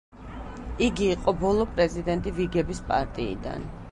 იგი იყო ბოლო პრეზიდენტი ვიგების პარტიიდან.